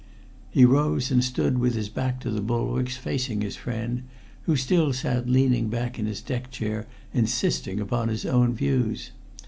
He rose and stood with his back to the bulwarks facing his friend, who still sat leaning back in his deck chair insisting upon his own views.